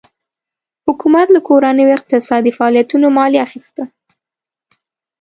حکومت له کورنیو اقتصادي فعالیتونو مالیه اخیسته.